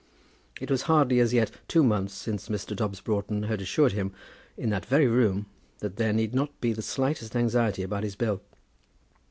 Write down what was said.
It was hardly as yet two months since Mr. Dobbs Broughton had assured him in that very room that there need not be the slightest anxiety about his bill.